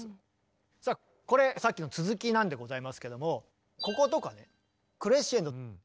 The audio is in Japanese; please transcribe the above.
さあこれさっきの続きなんでございますけどもこことかねクレッシェンド。